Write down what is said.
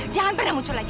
jangan pernah muncul lagi